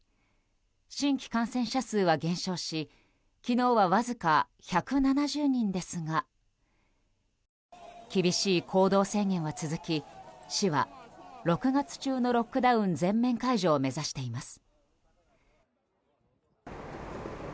新規感染者数は減少し昨日はわずか１７０人ですが厳しい行動制限は続き市は６月中のロックダウン全面解除を目指しています。